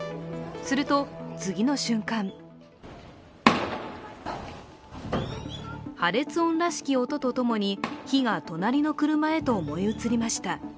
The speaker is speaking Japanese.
すると、次の瞬間破裂音らしき音とともに火が隣の車へと燃え移りました。